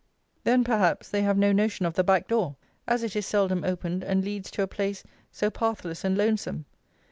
Then, perhaps, they have no notion of the back door; as it is seldom opened, and leads to a place so pathless and lonesome.